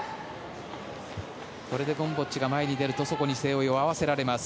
これでゴムボッチが前に出るとそこに背負いを合わせられます。